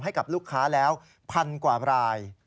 ให้กับลูกค้าแล้วพันกว่าราย